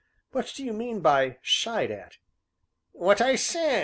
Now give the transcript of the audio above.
"What do you mean by 'shied at'?" "What I sez!